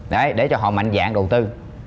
đấy để cho họ mạnh dạng đầu tư